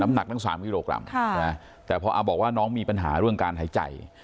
หนักตั้ง๓กิโลกรัมแต่พออาบอกว่าน้องมีปัญหาเรื่องการหายใจ